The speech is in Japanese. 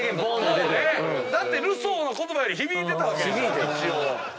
だってルソーの言葉より響いてたわけでしょ。